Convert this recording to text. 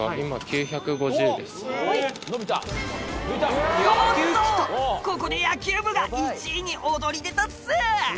おおっとここで野球部が１位に躍り出たっす！